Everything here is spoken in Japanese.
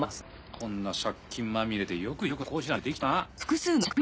こんな借金まみれでよく塾の講師なんてできたな。